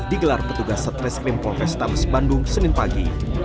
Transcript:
digelar petugas satreskrim polrestabes bandung senin pagi